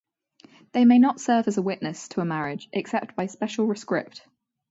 They may not serve as a witness to a marriage except by special rescript.